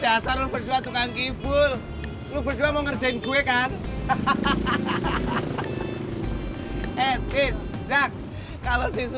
jasadu berdua tumpang kipul lu berdua mau ngerjain gue kan hahaha